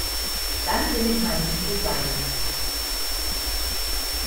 Dann will ich mal nicht so sein.